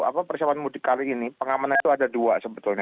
apa persiapan mudik kali ini pengamanan itu ada dua sebetulnya